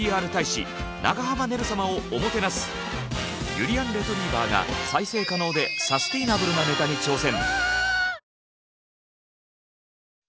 ゆりやんレトリィバァが再生可能でサステイナブルなネタに挑戦。